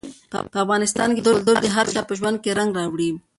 په افغانستان کې کلتور د هر چا په ژوند کې رنګ راوړي.